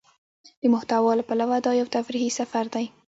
د محتوا له پلوه دا يو تفريحي سفر دى.